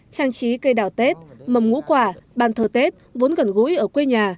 trang trí cây đào tết mầm ngũ quả bàn thờ tết vốn gần gũi ở quê nhà